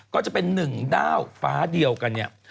ก็จะเป็น๑ด้าวฟ้าเดียวกันเนี่ย